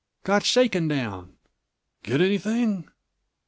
"Got shaken down." "Get anything?"